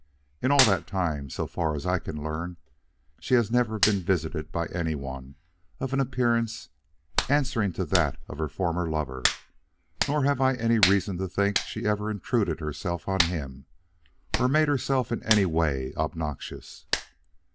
In all that time, so far as I can learn, she has never been visited by anyone of an appearance answering to that of her former lover; nor have I any reason to think she ever intruded herself on him, or made herself in any way obnoxious.